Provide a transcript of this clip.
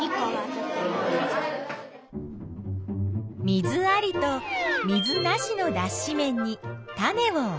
水ありと水なしのだっし綿に種を置く。